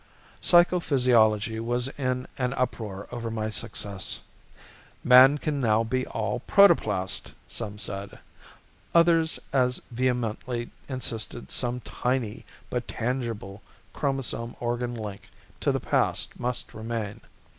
Psychophysiology was in an uproar over my success. "Man can now be all protoplast," some said. Others as vehemently insisted some tiny but tangible chromosome organ link to the past must remain.